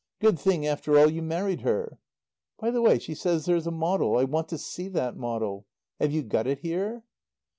Good thing, after all, you married her. "By the way, she says there's a model. I want to see that model. Have you got it here?"